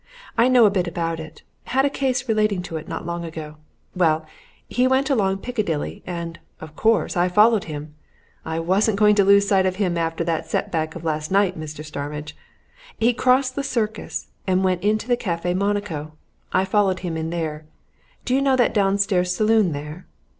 "I know a bit about it had a case relating to it not so long ago. Well he went along Piccadilly, and, of course, I followed him I wasn't going to lose sight of him after that set back of last night, Mr. Starmidge! He crossed the Circus, and went into the Café Monico. I followed him in there. Do you know that downstairs saloon there?"